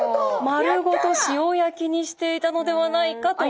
丸ごと塩焼きにしていたのではないかと。